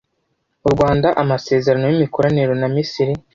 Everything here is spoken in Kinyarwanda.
u rwanda amasezerano y’imikoranire na misiri